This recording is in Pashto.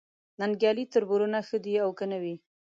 ننګیالي تربرونه ښه دي او که نه وي